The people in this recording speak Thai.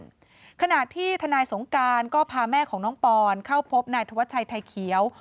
ในขณะที่ธนายสงการก็พาแม่น้องปรณ์เข้าพบทวชัยไทยเขียว